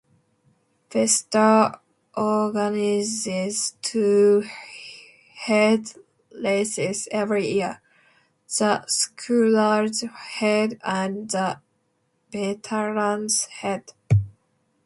Vesta organises two head races every year; the Scullers Head and the Veterans Head.